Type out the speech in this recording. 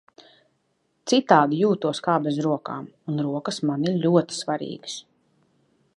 Citādi jūtos kā bez rokām. Un rokas man ir ļoti svarīgas.